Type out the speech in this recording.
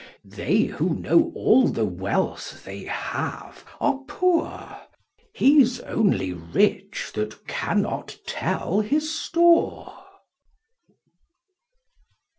They who know all the Wealth they have are poor, He's only rich that cannot tell his Store.